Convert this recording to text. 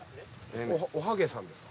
おハゲさんですか？